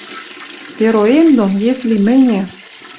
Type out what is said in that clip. Пероэм дон если мӹньӹ